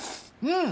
うん！